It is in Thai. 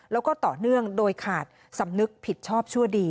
แล้วก็ต่อเนื่องโดยขาดสำนึกผิดชอบชั่วดี